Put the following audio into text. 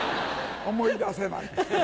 思い出せない。